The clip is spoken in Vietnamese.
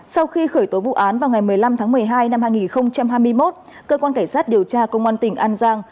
sau khi khởi tố vụ án vào ngày một mươi năm tháng một mươi hai năm hai nghìn hai mươi một cơ quan cảnh sát điều tra công an tỉnh an giang